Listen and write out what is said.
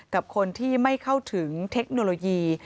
กับคนที่ไม่เข้าถึงเทคโนโลยี